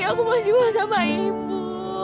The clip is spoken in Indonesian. aku masih mau sama ibu